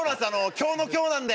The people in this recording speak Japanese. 今日の今日なんで。